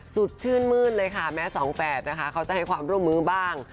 สดชื่นมืดเลยค่ะแม้๒๘นะคะเขาจะให้ความร่วมมือบ้าง